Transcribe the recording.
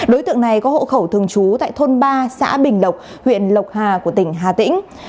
đối tượng này có hộ khẩu thường trú tại thôn ba xã bình lộc huyện lộc hà của tỉnh hà tĩnh